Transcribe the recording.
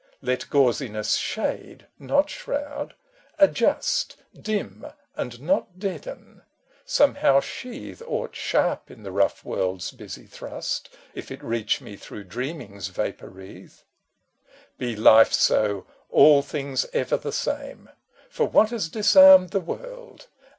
Let gauziness shade, not shroud, — adjust,^ Dim and not deaden, somehow sheathe FANCIES AND FACTS < Aught sharp in the rough world's busy thrust, If it reach me through dreaming's vapour wreath. Be life so, all things ever the same ! For, what has disarmed the world